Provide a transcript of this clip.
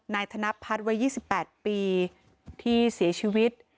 ธนพัฒน์วัย๒๘ปีที่เสียชีวิต